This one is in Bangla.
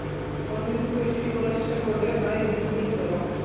অনভিজ্ঞ কেউ সেটি খোলার চেষ্টা করলে তাই হিতে বিপরীত হতে পারে।